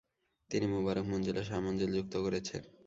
তিনি মুবারাক মঞ্জিল ও শাহ মঞ্জিল যুক্ত করেছেন।